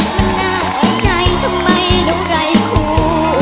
มันน่าไอใจทำไมดูไรคู่